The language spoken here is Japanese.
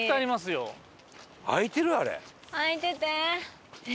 開いてて。